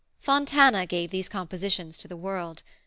Fontana gave these compositions to the world.